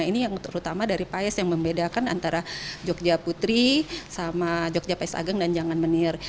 ini yang terutama dari paes yang membedakan antara jogja putri sama jogja pais ageng dan jangan menir